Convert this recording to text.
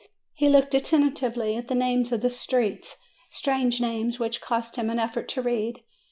He looked attentively at the names of the streets : strange names which cost him an effort to read.